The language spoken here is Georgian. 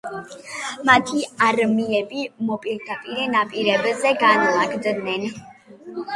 მათი არმიები მოპირდაპირე ნაპირებზე განლაგდნენ.